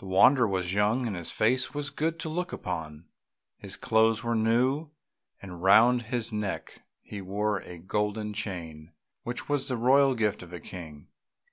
The wanderer was young, and his face was good to look upon; his clothes were new, and round his neck he wore a golden chain which was the royal gift of a King.